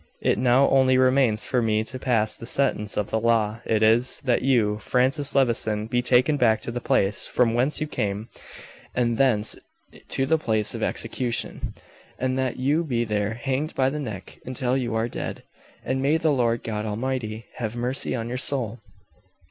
It now only remains for me to pass the sentence of the law. It is, that you, Francis Levison, be taken back to the place from whence you came, and thence to the place of execution, and that you be there hanged by the neck until you are dead. And may the Lord God Almighty have mercy on your soul!"